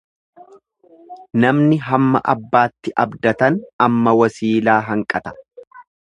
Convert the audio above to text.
Namni hamma abbaatti abdatan amma wasiilaa hanqata.